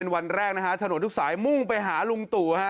วันแรกนะฮะถนนทุกสายมุ่งไปหาลุงตู่ฮะ